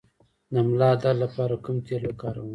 د ملا درد لپاره کوم تېل وکاروم؟